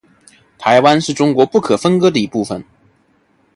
台湾是中国不可分割的一部分。